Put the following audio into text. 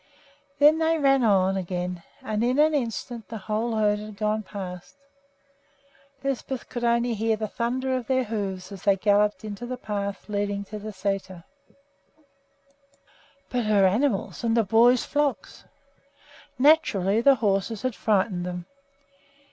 Then they ran on again, and in an instant the whole herd had gone past. Lisbeth could only hear the thunder of their hoofs as they galloped into the path leading to the sæter. But her animals! and the boys' flocks! Naturally the horses had frightened them.